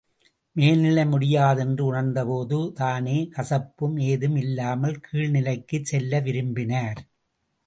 மேல்நிலை முடியாதென்று உணர்ந்தபோது, தானே, கசப்பு ஏதும் இல்லாமல், கீழ் நிலைக்குச் செல்ல விரும்பினார்.